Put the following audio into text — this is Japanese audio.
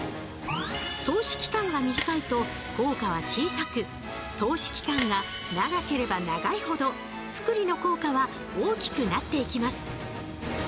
投資期間が短いと効果は小さく投資期間が長ければ長いほど複利の効果は大きくなっていきます